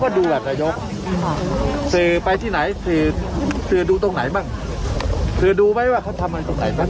คือดูไหมว่าเขาทำอะไรตรงไหนบ้างเนี่ย